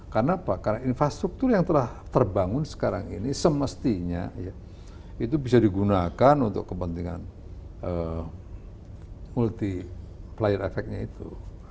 karena apa karena infrastruktur yang telah terbangun sekarang ini semestinya itu bisa digunakan untuk kepentingan multi layer efeknya itu